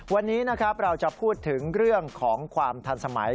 วันนี้นะครับเราจะพูดถึงเรื่องของความทันสมัย